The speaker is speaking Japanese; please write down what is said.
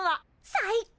最高！